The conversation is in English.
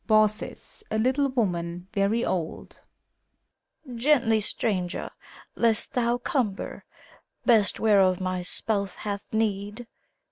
BAUCIS (a little woman, very old). Gently, stranger ! lest thou cumber Best, whereof my spouse hath need!